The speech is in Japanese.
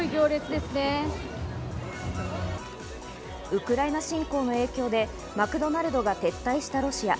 ウクライナ侵攻の影響でマクドナルドが撤退したロシア。